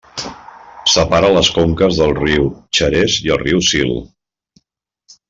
Separa les conques del riu Xares i del riu Sil.